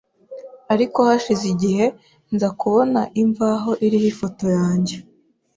ariko hashize igihe nza kubona imvaho iriho ifoto yanjye